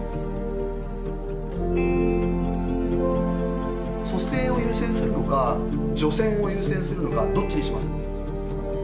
それを蘇生を優先するのか除染を優先するのかどっちにしますか？